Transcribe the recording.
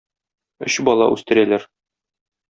Өч бала үстерәләр.